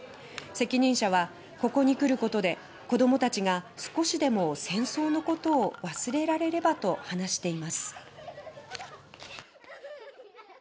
責任者は「ここに来ることで子どもたちが少しでも戦争のことを忘れられれば」と話しています。